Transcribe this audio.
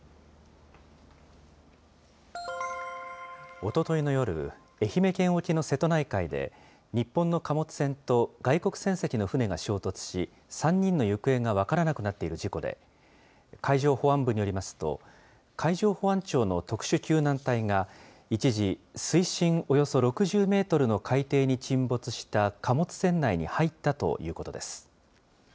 おとといの夜、愛媛県沖の瀬戸内海で、日本の貨物船と外国船籍の船が衝突し、３人の行方が分からなくなっている事故で、海上保安部によりますと、海上保安庁の特殊救難隊が一時、水深およそ６０メートルの海底に沈没した貨物船内に入ったということです。